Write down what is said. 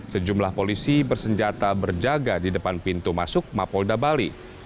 sejumlah polisi bersenjata berjaga di depan pintu masuk mapolda bali